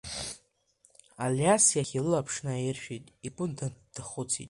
Алиас иахь илаԥш наиршәит, игәы дынҭахәыцит…